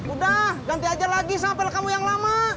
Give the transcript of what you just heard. udah ganti aja lagi sama pelek kamu yang lama